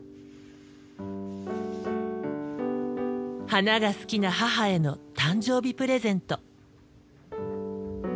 花が好きな母への誕生日プレゼント。